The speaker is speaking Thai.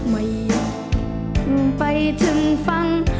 ไม่ยอมกลับไปถึงฝั่ง